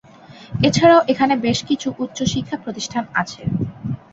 এছাড়াও এখানে বেশ কিছু উচ্চশিক্ষা প্রতিষ্ঠান আছে।